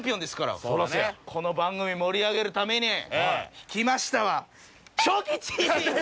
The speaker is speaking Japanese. この番組盛り上げるために引きましたわ！